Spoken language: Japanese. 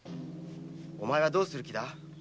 お前はどうする気だ。